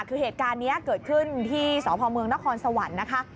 คือเหตุการณ์นี้เกิดขึ้นที่สพเมืองนครสวรรค์นะคะ